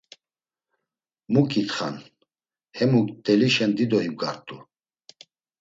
Mu ǩitxan, hemuk mtelişen dido ibgart̆u.